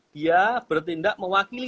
dia bertindak mewakili